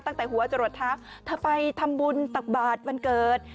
ตั้งแต่หัวจรวดเท้าเธอไปทำบุญตักบาทวันเกิด